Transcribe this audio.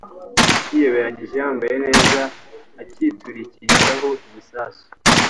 yiyoberanyije yambaye neza acyiturikirizaho igisasu